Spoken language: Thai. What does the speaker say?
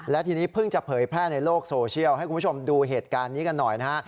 และทีนี้เพิ่งจะเผยแพร่ในโลกโซเชียลให้คุณผู้ชมดูเหตุการณ์นี้กันหน่อยนะฮะ